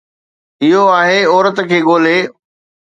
اهو آهي، عورت کي ڳولي.